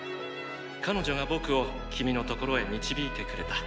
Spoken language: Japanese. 彼女が僕を君の所へ導いてくれた。